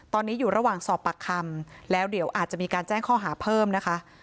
ตอนนี้อยู่ระหว่างสอบปากคำแล้วเดี๋ยวอาจจะมีการแจ้งข้อหาเพิ่มนะคะ